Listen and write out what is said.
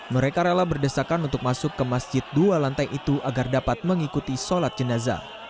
mereka rela berdesakan untuk masuk ke masjid dua lantai itu agar dapat mengikuti sholat jenazah